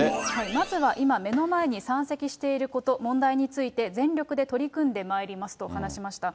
まずは今、目の前に山積していること、問題について、全力で取り組んでまいりますと話しました。